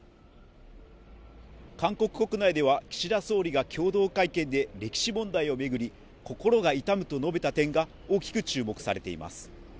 韓国国内では岸田総理が共同会見で歴史問題を巡り、心が痛むと述べた点が大きく注目されています。